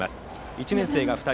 １年生が２人。